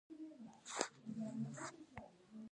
د ماشوم د سوځیدو لپاره د الوویرا جیل وکاروئ